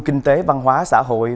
kinh tế văn hóa xã hội